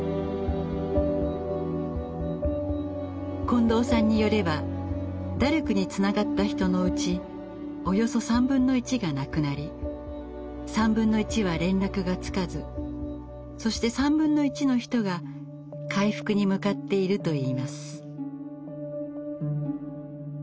近藤さんによればダルクにつながった人のうちおよそ３分の１が亡くなり３分の１は連絡がつかずそして３分の１の人が回復に向かっているといいます。